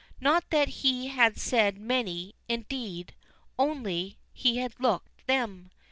Not that he had said many, indeed, only he had looked them.